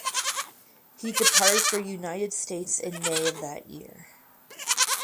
He departed for United States in May of that year.